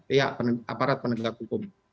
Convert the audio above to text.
iya aparat penegak hukum